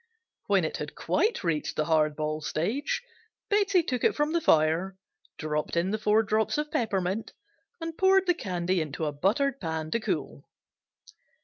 When it had quite reached the hard ball stage Betsey took it from the fire, dropped in the four drops of peppermint and poured the candy into a buttered pan to cool.